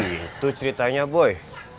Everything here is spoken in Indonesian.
oh gitu ceritanya boy